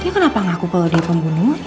dia kenapa ngaku kalo dia pembunuhnya